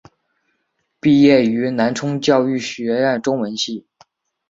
毕业于南充教育学院中文系。